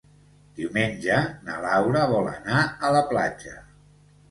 Diumenge na Laura vol anar a la platja.